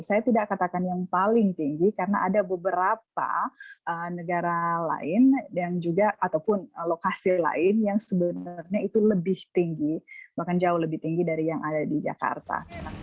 saya tidak katakan yang paling tinggi karena ada beberapa negara lain dan juga ataupun lokasi lain yang sebenarnya itu lebih tinggi bahkan jauh lebih tinggi dari yang ada di jakarta